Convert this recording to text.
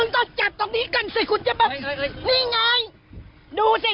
ถ่ายให้คุณดูว่า